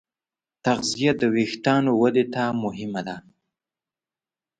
تغذیه د وېښتیانو ودې ته مهمه ده.